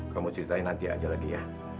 kamu ceritain nanti aja lagi ya